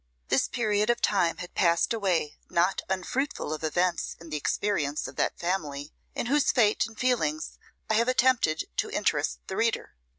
This period of time had passed away not unfruitful of events in the experience of that family, in whose fate and feelings I have attempted to interest the reader.